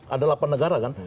ada delapan negara kan